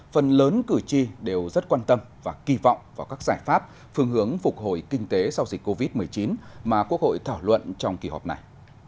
phần lớn cử tri đều rất quan tâm và kỳ vọng vào các giải pháp phương hướng phục hồi kinh tế sau dịch covid một mươi chín mà quốc hội thảo luận trong kỳ họp này